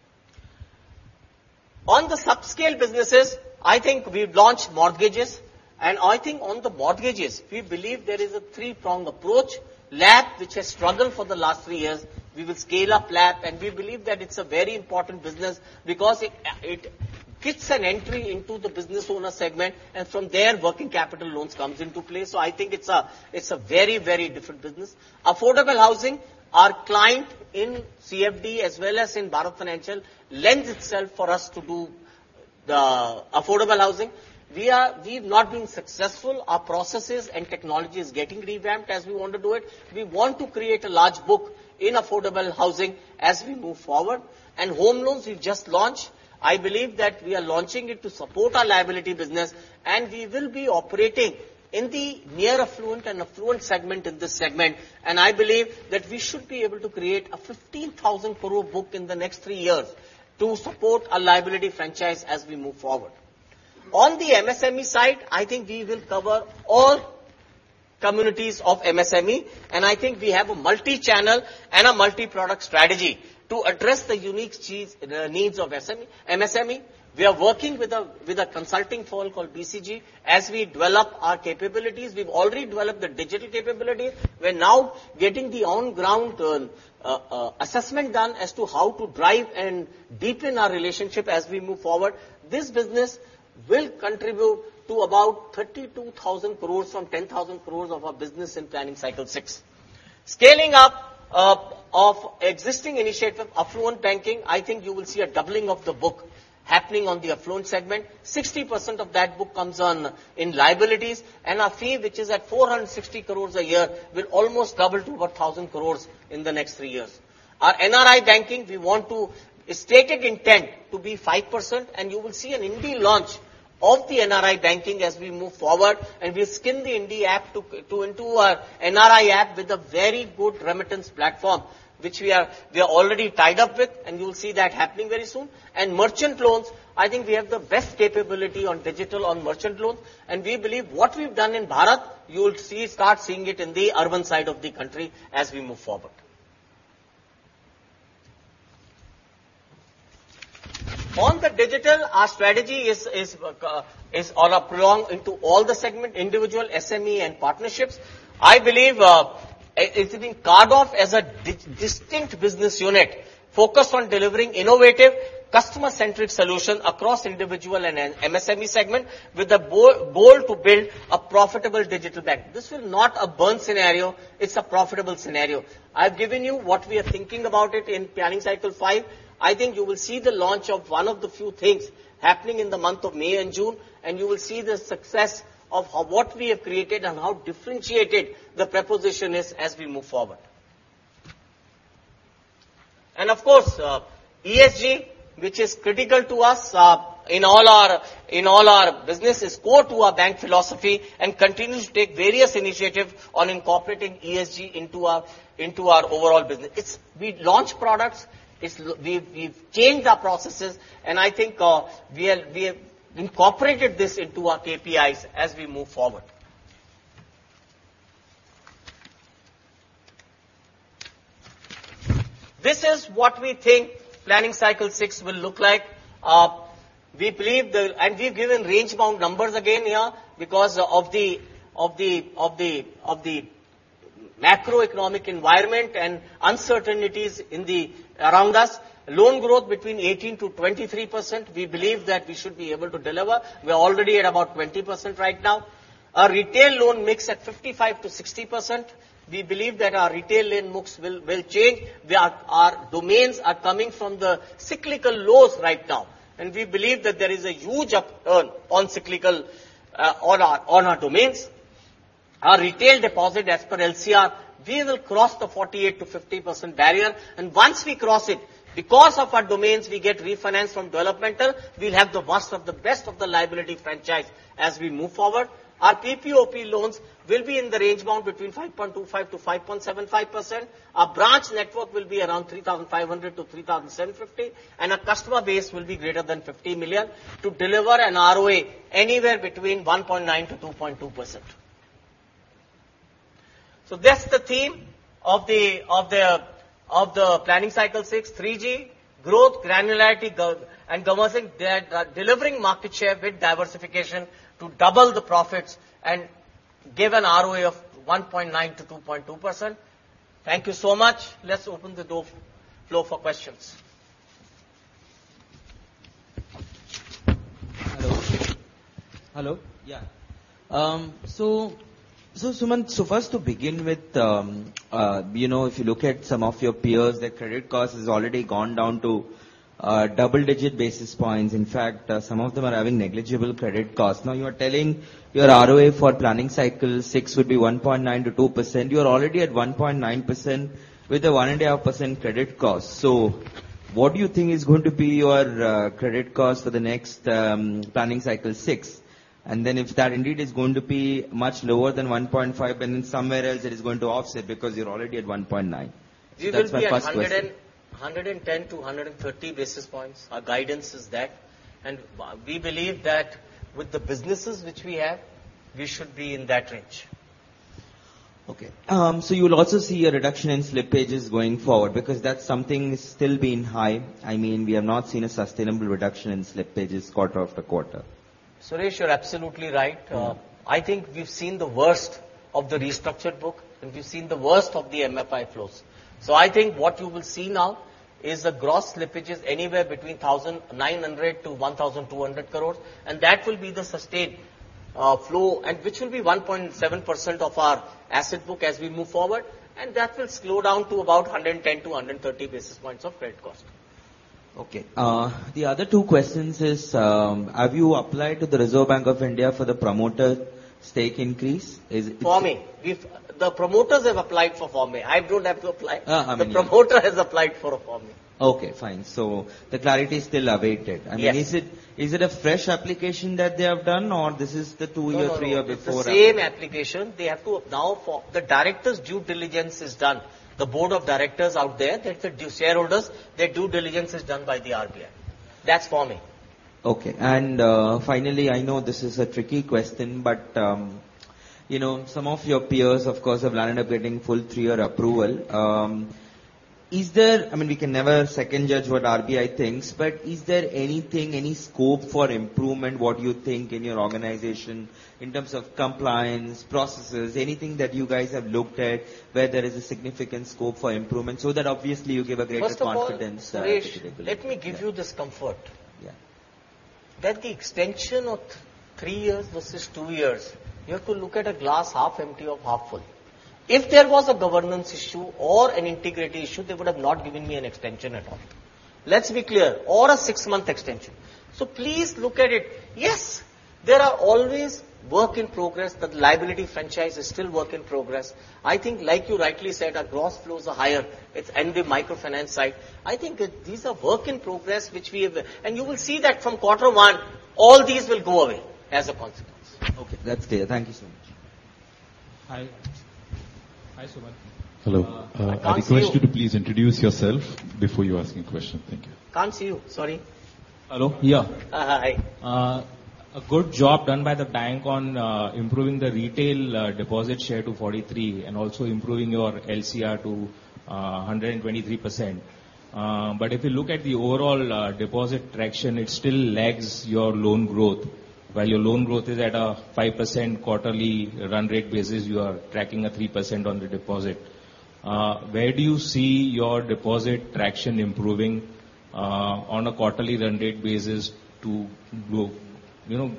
On the subscale businesses, I think we've launched mortgages, and I think on the mortgages, we believe there is a three-prong approach. LAP, which has struggled for the last three years, we will scale up LAP and we believe that it's a very important business because it gets an entry into the business owner segment, and from there working capital loans comes into play. I think it's a, it's a very, very different business. Affordable housing, our client in CFD as well as in Bharat Financial lends itself for us to do the affordable housing. We've not been successful. Our processes and technology is getting revamped as we want to do it. We want to create a large book in affordable housing as we move forward. Home loans we've just launched. I believe that we are launching it to support our liability business, and we will be operating in the near affluent and affluent segment in this segment. I believe that we should be able to create a 15,000 crore book in the next three years to support our liability franchise as we move forward. On the MSME side, I think we will cover all communities of MSME, and I think we have a multi-channel and a multi-product strategy to address the unique needs of SME-MSME. We are working with a consulting firm called BCG as we develop our capabilities. We've already developed the digital capabilities. We're now getting the on ground assessment done as to how to drive and deepen our relationship as we move forward. This business will contribute to about 32,000 crores from 10,000 crores of our business in Planning Cycle 6. Scaling up of existing initiative, affluent banking, I think you will see a doubling of the book happening on the affluent segment. 60% of that book comes on in liabilities and our fee, which is at 460 crores a year, will almost double to over 1,000 crores in the next three years. Our NRI banking, we want to stated intent to be 5%, and you will see an INDIE launch of the NRI banking as we move forward, and we'll skin the INDIE app into a NRI app with a very good remittance platform, which we are already tied up with, and you'll see that happening very soon. merchant loans, I think we have the best capability on digital on merchant loans, and we believe what we've done in Bharat, you'll start seeing it in the urban side of the country as we move forward. On the digital, our strategy is all up along into all the segment, individual, SME and partnerships. I believe it's been carved off as a distinct business unit focused on delivering innovative customer-centric solution across individual and an MSME segment with a goal to build a profitable digital bank. This is not a burn scenario, it's a profitable scenario. I've given you what we are thinking about it in planning cycle five. I think you will see the launch of one of the few things happening in the month of May and June, and you will see the success of what we have created and how differentiated the proposition is as we move forward. Of course, ESG, which is critical to us, in all our businesses, core to our bank philosophy, and continue to take various initiatives on incorporating ESG into our overall business. We launch products, we've changed our processes, and I think, we have incorporated this into our KPIs as we move forward. This is what we think Planning Cycle 6 will look like. We believe we've given range-bound numbers again here because of the macroeconomic environment and uncertainties around us. Loan growth between 18%-23%, we believe that we should be able to deliver. We are already at about 20% right now. Our retail loan mix at 55%-60%. We believe that our retail loan mix will change. Our domains are coming from the cyclical lows right now. We believe that there is a huge up earn on cyclical on our domains. Our retail deposit as per LCR, we will cross the 48%-50% barrier. Once we cross it, because of our domains, we get refinance from developmental. We'll have the worst of the best of the liability franchise as we move forward. Our PPOP loans will be in the range bound between 5.25%-5.75%. Our branch network will be around 3,500 to 3,750, and our customer base will be greater than 50 million to deliver an ROA anywhere between 1.9%-2.2%. That's the theme of the Planning Cycle Six, three G, growth, granularity, and governing. They are delivering market share with diversification to double the profits and give an ROA of 1.9%-2.2%. Thank you so much. Let's open the door flow for questions. Hello? Hello? Yeah. Suman, first to begin with, you know, if you look at some of your peers, their credit cost has already gone down to double-digit basis points. In fact, some of them are having negligible credit costs. You're telling your ROA for Planning Cycle Six would be 1.9%-2%. You're already at 1.9% with a 1.5% credit cost. What do you think is going to be your credit cost for the next Planning Cycle Six? If that indeed is going to be much lower than 1.5%, somewhere else it is going to offset because you're already at 1.9%. That's my first question. 110-130 basis points. Our guidance is that. We believe that with the businesses which we have, we should be in that range. Okay. You will also see a reduction in slippages going forward because that's something still being high. I mean, we have not seen a sustainable reduction in slippages quarter after quarter. Suresh, you're absolutely right. Mm-hmm. I think we've seen the worst of the restructured book, and we've seen the worst of the MFI flows. I think what you will see now is the gross slippage is anywhere between 900 crore to 1,200 crore, and that will be the sustained flow and which will be 1.7% of our asset book as we move forward, and that will slow down to about 110 basis points to 130 basis points of credit cost. Okay. The other two questions is, have you applied to the Reserve Bank of India for the promoter stake increase? For me. If the promoters have applied for me. I don't have to apply. I mean, yeah. The promoter has applied for me. Okay, fine. The clarity is still awaited. Yes. I mean, is it a fresh application that they have done or this is the two year, three year- No, no. Before application? It's the same application. They have to now the directors due diligence is done. The Board of Directors out there, that's the due shareholders, their due diligence is done by the RBI. That's for me. Okay. Finally, I know this is a tricky question, but, you know, some of your peers, of course, have landed up getting full three-year approval. I mean, we can never second judge what RBI thinks, but is there anything, any scope for improvement, what you think in your organization in terms of compliance, processes, anything that you guys have looked at where there is a significant scope for improvement so that obviously you give a greater confidence-? First of all- To the regulator, yeah. Suresh, let me give you this comfort. Yeah. That the extension of three years vs two years, you have to look at a glass half empty or half full. If there was a governance issue or an integrity issue, they would have not given me an extension at all. Let's be clear. A six-month extension. Please look at it. Yes, there are always work in progress. The liability franchise is still work in progress. I think like you rightly said, our gross flows are higher. It's in the microfinance side. I think that these are work in progress, which we have... You will see that from quarter one, all these will go away as a consequence. Okay. That's clear. Thank you so much. Hi. Hi, Subodh. Can't see you. Hello. I request you to please introduce yourself before you ask any question. Thank you. Can't see you. Sorry. Hello. Yeah. Hi. A good job done by the bank on improving the retail deposit share to 43% and also improving your LCR to 123%. If you look at the overall deposit traction, it still lags your loan growth. While your loan growth is at a 5% quarterly run rate basis, you are tracking a 3% on the deposit. Where do you see your deposit traction improving on a quarterly run rate basis to grow, you know,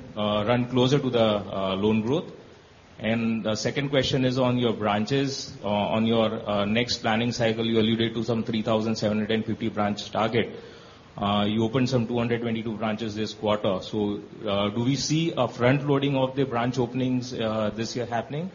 run closer to the loan growth? The second question is on your branches. On, on your next planning cycle, you alluded to some 3,750 branch target. You opened some 222 branches this quarter. Do we see a front loading of the branch openings this year happening?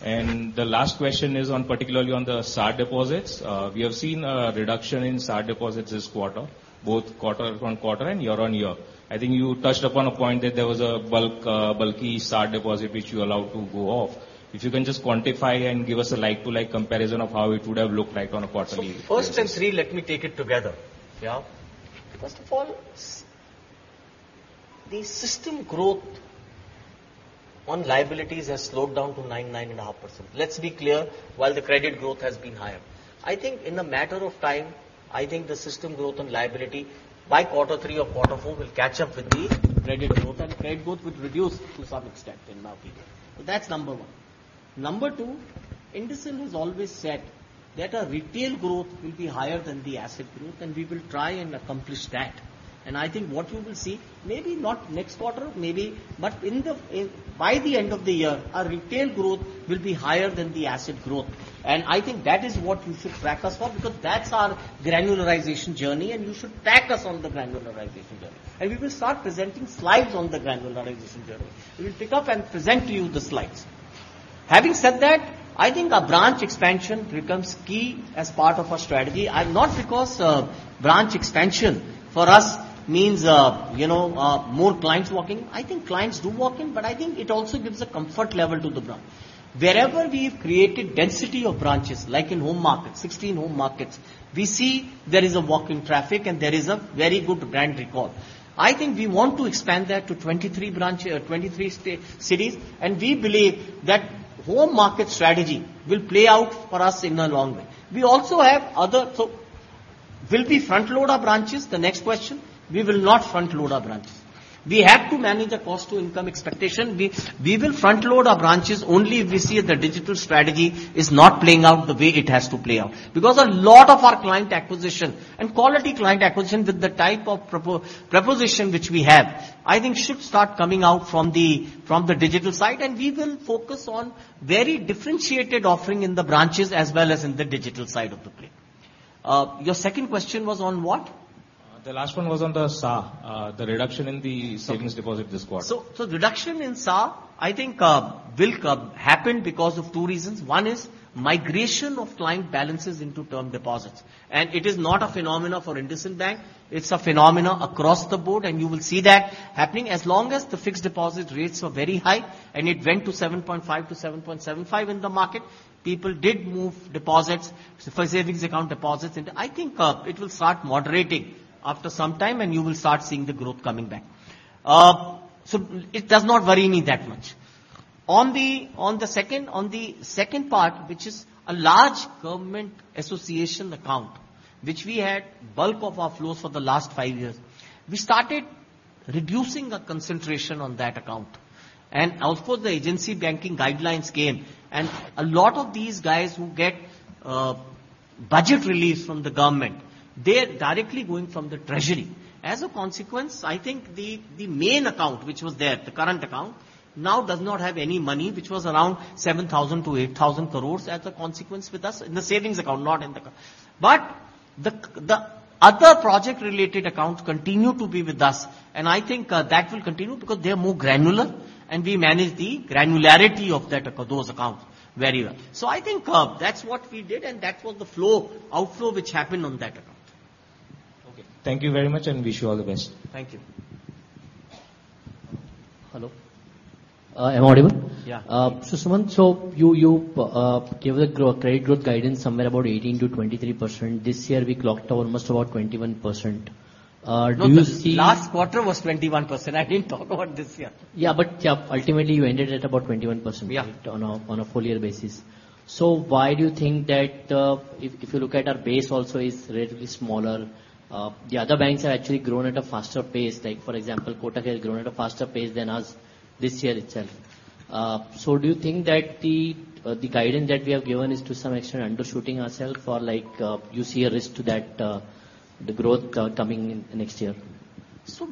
The last question is on particularly on the SA deposit. We have seen a reduction in SA deposits this quarter, both quarter-on-quarter and year-on-year. I think you touched upon a point that there was a bulk, bulky SA deposit which you allowed to go off. If you can just quantify and give us a like-to-like comparison of how it would have looked like on a quarterly basis? first and three, let me take it together. Yeah. First of all the system growth on liabilities has slowed down to nine and a half%. Let's be clear, while the credit growth has been higher. I think in a matter of time, I think the system growth on liability by quarter three or quarter four will catch up with the credit growth, and credit growth would reduce to some extent in our period. That's number one. Number two, IndusInd has always said that our retail growth will be higher than the asset growth, and we will try and accomplish that. I think what you will see, maybe not next quarter, but by the end of the year, our retail growth will be higher than the asset growth. I think that is what you should track us for because that's our granularization journey and you should track us on the granularization journey. We will start presenting slides on the granularization journey. We will pick up and present to you the slides. Having said that, I think our branch expansion becomes key as part of our strategy, and not because, branch expansion for us means, you know, more clients walking. I think clients do walk in, but I think it also gives a comfort level to the brand. Wherever we've created density of branches, like in home markets, 16 home markets, we see there is a walk-in traffic and there is a very good brand recall. I think we want to expand that to 23 branch or 23 cities, and we believe that home market strategy will play out for us in the long run. We also have other... Will we front load our branches? The next question. We will not front load our branches. We have to manage a cost to income expectation. We will front load our branches only if we see the digital strategy is not playing out the way it has to play out. Because a lot of our client acquisition and quality client acquisition with the type of proposition which we have, I think should start coming out from the digital side, and we will focus on very differentiated offering in the branches as well as in the digital side of the play. Your second question was on what? The last one was on the SA, the reduction in the savings deposit this quarter. Reduction in SA, I think, will happen because of two reasons. One is migration of client balances into term deposits. It is not a phenomenon for IndusInd Bank, it's a phenomenon across the board, and you will see that happening. As long as the fixed deposit rates were very high and it went to 7.5%-7.75% in the market, people did move deposits for savings account deposits into... I think, it will start moderating after some time, and you will start seeing the growth coming back. It does not worry me that much. On the second part, which is a large government association account, which we had bulk of our flows for the last five years, we started reducing our concentration on that account. Of course, the agency banking guidelines came, and a lot of these guys who get budget release from the government, they're directly going from the treasury. A consequence, I think the main account which was there, the current account, now does not have any money, which was around 7,000-8,000 crore as a consequence with us in the savings account, the other project related accounts continue to be with us, and I think that will continue because they are more granular, and we manage the granularity of those accounts very well. I think that's what we did, and that was the flow, outflow which happened on that account. Okay. Thank you very much, and wish you all the best. Thank you. Hello. Am I audible? Yeah. Sumant, so you gave the credit growth guidance somewhere about 18%-23%. This year we clocked almost about 21%. Do you see. No, the last quarter was 21%. I didn't talk about this year. Yeah, yeah, ultimately you ended at about 21%... Yeah... right, on a full year basis. Why do you think that, if you look at our base also is relatively smaller, the other banks have actually grown at a faster pace, like for example, Kotak has grown at a faster pace than us this year itself. Do you think that the guidance that we have given is to some extent undershooting ourself or like, you see a risk to that, the growth coming in next year?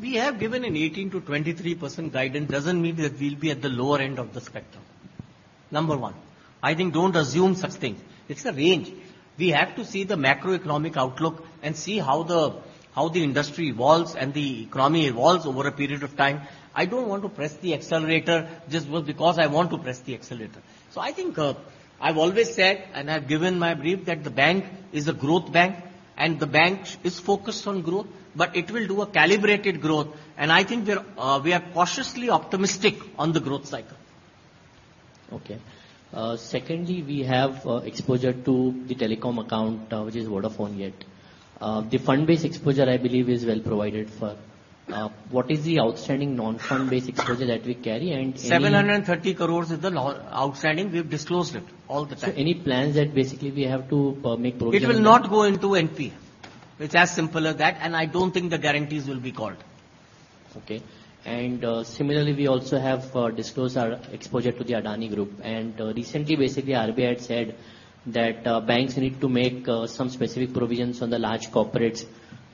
We have given an 18%-23% guidance, doesn't mean that we'll be at the lower end of the spectrum. Number one. I think don't assume such things. It's a range. We have to see the macroeconomic outlook and see how the industry evolves and the economy evolves over a period of time. I don't want to press the accelerator just because I want to press the accelerator. I think I've always said, and I've given my brief, that the bank is a growth bank and the bank is focused on growth, but it will do a calibrated growth. I think we're cautiously optimistic on the growth cycle. Okay. Secondly, we have exposure to the telecom account, which is Vodafone yet. The fund-based exposure, I believe, is well provided for. What is the outstanding non-fund-based exposure that we carry? 730 crores is the outstanding. We've disclosed it all the time. any plans that basically we have to make. It will not go into NP. It's as simple as that, and I don't think the guarantees will be called. Okay. Similarly, we also have disclosed our exposure to the Adani Group. Recently basically RBI had said that banks need to make some specific provisions on the large corporates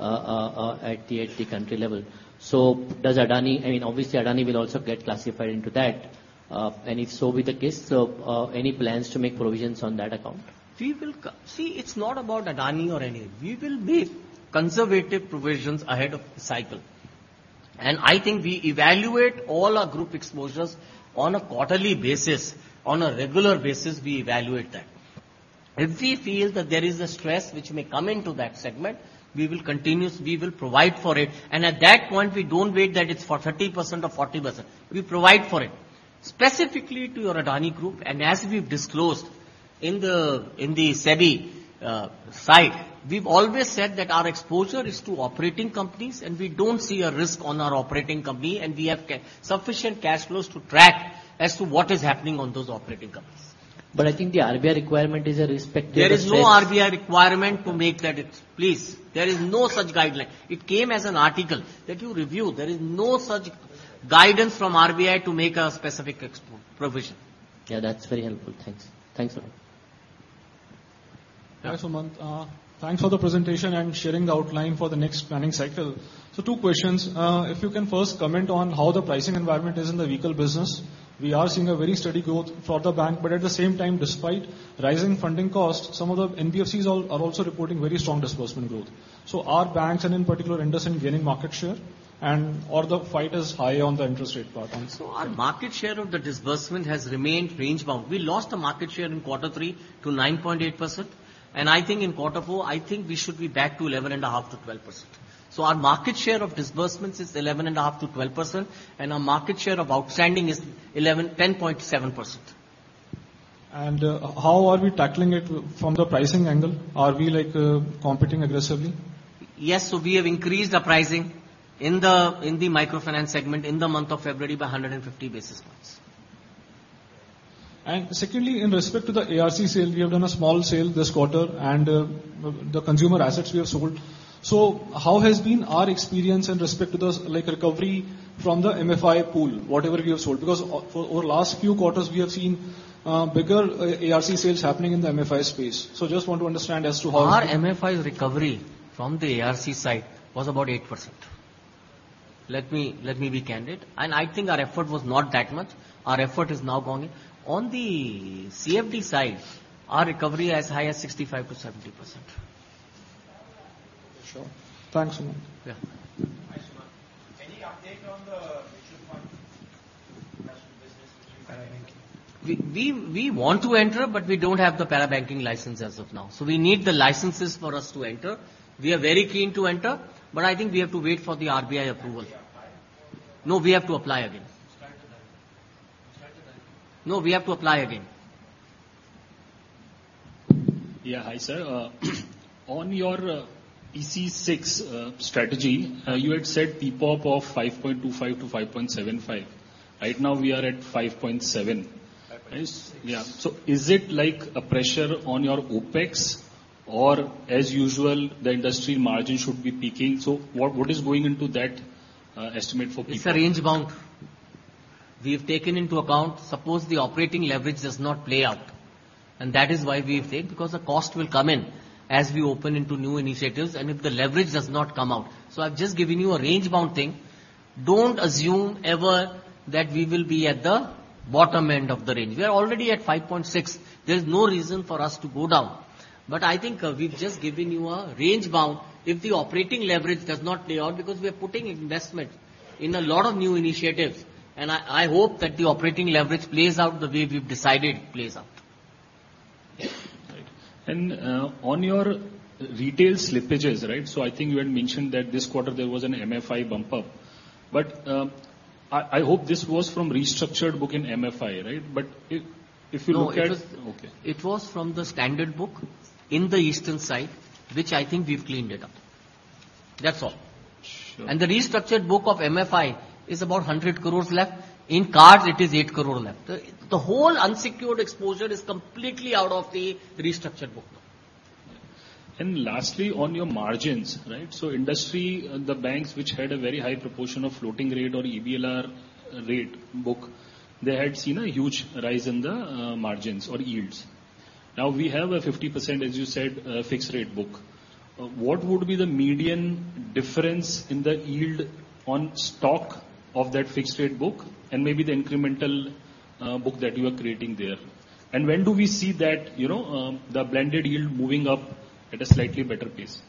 at the country level. Does Adani... I mean, obviously Adani will also get classified into that. And if so be the case, any plans to make provisions on that account? We will See, it's not about Adani or anything. We will make conservative provisions ahead of the cycle. I think we evaluate all our group exposures on a quarterly basis. On a regular basis, we evaluate that. If we feel that there is a stress which may come into that segment, we will continuously provide for it. At that point, we don't wait that it's for 30% or 40%. We provide for it. Specifically to your Adani Group, and as we've disclosed in the SEBI site, we've always said that our exposure is to operating companies and we don't see a risk on our operating company and we have sufficient cash flows to track as to what is happening on those operating companies. I think the RBI requirement is. There is no RBI requirement to make that. Please, there is no such guideline. It came as an article that you review. There is no such guidance from RBI to make a specific expo provision. Yeah, that's very helpful. Thanks. Thanks a lot. Yeah. Hi, Sumant. Thanks for the presentation and sharing the outline for the next planning cycle. Two questions. If you can first comment on how the pricing environment is in the vehicle business. We are seeing a very steady growth for the bank, but at the same time, despite rising funding costs, some of the NBFCs are also reporting very strong disbursement growth. Are banks, and in particular IndusInd, gaining market share and/or the fight is high on the interest rate part on- Our market share of the disbursement has remained range bound. We lost the market share in quarter three to 9.8%. I think in quarter four, I think we should be back to 11.5%-12%. Our market share of disbursements is 11.5%-12%, and our market share of outstanding is 11%, 10.7%. How are we tackling it from the pricing angle? Are we like, competing aggressively? Yes. We have increased the pricing in the microfinance segment in the month of February by 150 basis points. Secondly, in respect to the ARC sale, we have done a small sale this quarter and the consumer assets we have sold. How has been our experience in respect to this, like recovery from the MFI pool, whatever we have sold? Because for over last few quarters, we have seen bigger ARC sales happening in the MFI space. Just want to understand as to how- Our MFI recovery from the ARC side was about 8%. Let me be candid, I think our effort was not that much. Our effort is now going in. On the CFD side, our recovery as high as 65%-70%. Sure. Thanks, Sumant. Yeah. Hi, Sumant. Any update on the mutual fund business in para-banking? We want to enter, but we don't have the para-banking license as of now. We need the licenses for us to enter. We are very keen to enter, I think we have to wait for the RBI approval. Have you applied or- No, we have to apply again. It's tied to that. No, we have to apply again. Yeah. Hi, sir. On your PC6 strategy, you had said PPOP of 5.25%-5.75%. Right now we are at 5.7%. 5.6. Yeah. Is it like a pressure on your OpEx or as usual, the industry margin should be peaking? What is going into that estimate for PPOP? It's a range bound. We have taken into account suppose the operating leverage does not play out. That is why we have said because the cost will come in as we open into new initiatives and if the leverage does not come out. I've just given you a range bound thing. Don't assume ever that we will be at the bottom end of the range. We are already at 5.6. There's no reason for us to go down. I think, we've just given you a range bound if the operating leverage does not play out because we are putting investment in a lot of new initiatives and I hope that the operating leverage plays out the way we've decided it plays out. Right. On your retail slippages, right? I think you had mentioned that this quarter there was an MFI bump up. I hope this was from restructured book in MFI, right? If you look at- No, it was-. Okay. It was from the standard book in the eastern side, which I think we've cleaned it up. That's all. Sure. The restructured book of MFI is about 100 crore left. In cards it is 8 crore left. The whole unsecured exposure is completely out of the restructured book now. Lastly, on your margins, right? Industry, the banks which had a very high proportion of floating rate or EBLR rate book, they had seen a huge rise in the margins or yields. Now, we have a 50%, as you said, fixed rate book. What would be the median difference in the yield on stock of that fixed rate book and maybe the incremental book that you are creating there? When do we see that, you know, the blended yield moving up at a slightly better pace?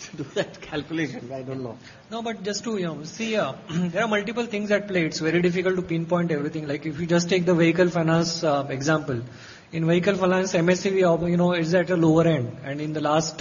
To do that calculation, I don't know. No, but just to, you know, see, there are multiple things at play. It's very difficult to pinpoint everything. Like, if you just take the vehicle finance example. In vehicle finance, M&HCV, you know, is at a lower end. In the last,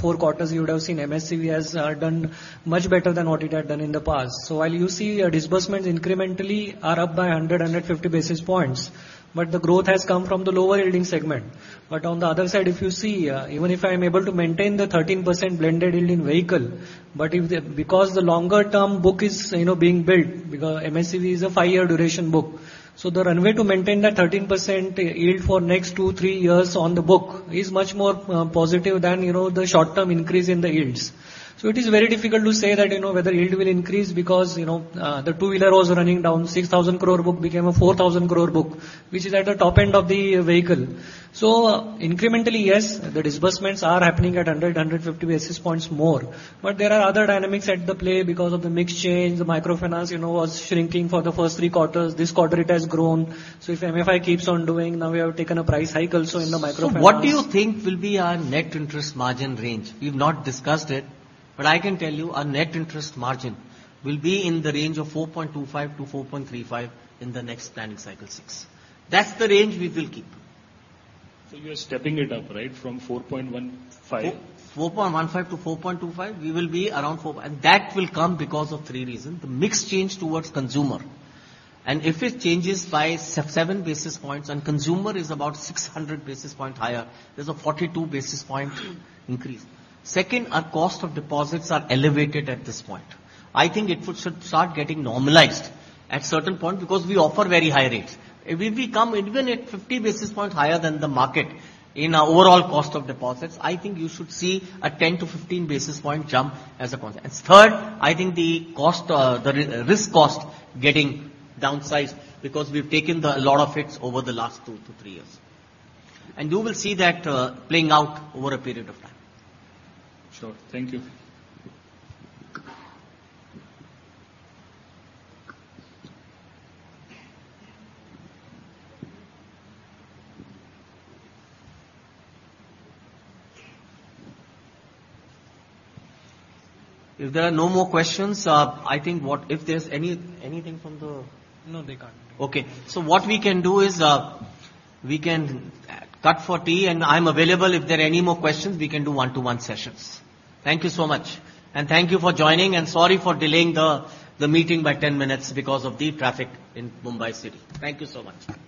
four quarters, you would have seen M&HCV has done much better than what it had done in the past. While you see disbursements incrementally are up by 100, 150 basis points, but the growth has come from the lower-yielding segment. On the other side, if you see, even if I am able to maintain the 13% blended yield in vehicle, but if the Because the longer-term book is, you know, being built because M&HCV is a five-year duration book. The runway to maintain that 13% yield for next 2-3 years on the book is much more positive than, you know, the short-term increase in the yields. It is very difficult to say that, you know, whether yield will increase because, you know, the two-wheeler was running down a 6,000 crore book became a 4,000 crore book, which is at the top end of the vehicle. Incrementally, yes, the disbursements are happening at 100-150 basis points more. There are other dynamics at the play because of the mix change. The microfinance, you know, was shrinking for the first three quarters. This quarter it has grown. If MFI keeps on doing, now we have taken a price hike also in the microfinance. What do you think will be our net interest margin range? We've not discussed it, but I can tell you our net interest margin will be in the range of 4.25%-4.35% in the next planning cycle six. That's the range we will keep. You're stepping it up, right? From 4.15. 4.15-4.25, we will be around four. That will come because of three reasons. The mix change towards consumer. If it changes by 7 basis points and consumer is about 600 basis points higher, there's a 42 basis point increase. Second, our cost of deposits are elevated at this point. I think it should start getting normalized at certain point because we offer very high rates. If we come even at 50 basis points higher than the market in our overall cost of deposits, I think you should see a 10-15 basis point jump as a consequence. Third, I think the cost, the risk cost getting downsized because we've taken a lot of hits over the last 2-3 years. You will see that playing out over a period of time. Sure. Thank you. If there are no more questions, If there's anything from the? No, they can't. Okay. What we can do is, we can cut for tea. I'm available if there are any more questions, we can do one-to-one sessions. Thank you so much. Thank you for joining, and sorry for delaying the meeting by 10 minutes because of the traffic in Mumbai city. Thank you so much. Thank you.